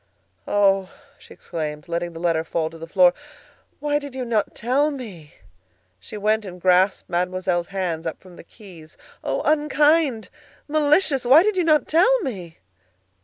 "Oh!" she exclaimed, letting the letter fall to the floor. "Why did you not tell me?" She went and grasped Mademoiselle's hands up from the keys. "Oh! unkind! malicious! Why did you not tell me?"